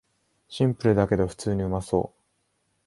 シンプルだけど普通にうまそう